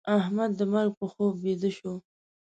احمد د مرګ په خوب بيده شو.